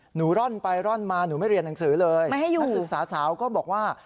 ร่อนไปร่อนมาหนูไม่เรียนหนังสือเลยนักศึกษาสาวก็บอกว่า